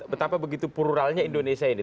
betapa begitu pluralnya indonesia ini